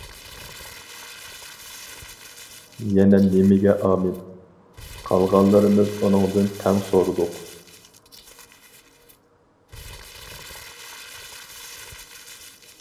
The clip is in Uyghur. -يەنە نېمىگە ئامىن؟ ، -قالغانلىرىمىز ئۇنىڭدىن تەڭ سورىدۇق.